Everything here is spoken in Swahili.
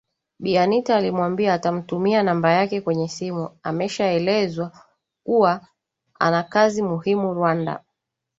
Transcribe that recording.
Bi Anita alimwambia atamtumia namba yake kwenye simu ameshaelezwa kuwa ana kazi muhimu Rwanda